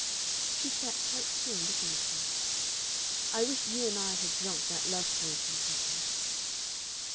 She sat quite still looking at him. "I wish you and I had drunk that love potion," he said.